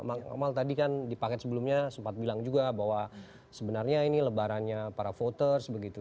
bang amal tadi kan di paket sebelumnya sempat bilang juga bahwa sebenarnya ini lebarannya para voters begitu